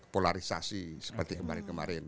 polarisasi seperti kemarin kemarin